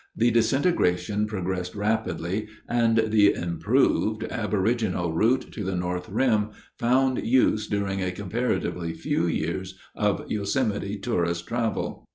The disintegration progressed rapidly, and the "improved" aboriginal route to the north rim found use during a comparatively few years of Yosemite tourist travel.